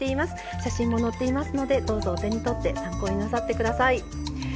写真も載っていますのでどうぞお手に取って参考になさって下さい。